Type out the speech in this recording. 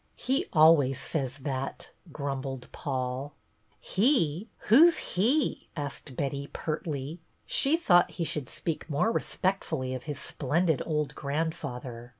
THE PLAY 149 " He always says that," grumbled Paul. " He ! Who 's he ?" asked Betty, pertly. She thought he should speak more respect fully of his splendid old grandfather.